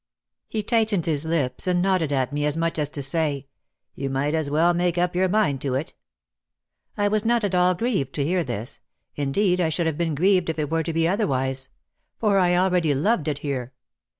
He tightened his lips and nodded at me as much as to say, "You might as well make up your mind to it." I was not at all grieved to hear this. Indeed I should have been grieved if it were to be otherwise. For I already loved it here.